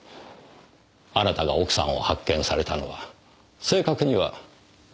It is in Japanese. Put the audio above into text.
あなたが奥さんを発見されたのは正確には何時の事でしたか？